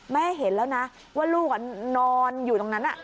แม่เห็นแล้วนะว่าลูกนอนอยู่ตรงนั้น